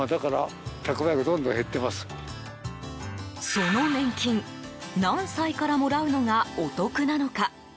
その年金何歳からもらうのがお得なのか。